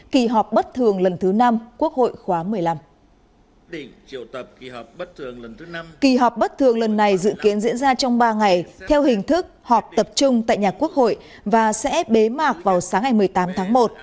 kỳ họp bất thường lần này dự kiến diễn ra trong ba ngày theo hình thức họp tập trung tại nhà quốc hội và sẽ bế mạc vào sáng ngày một mươi tám tháng một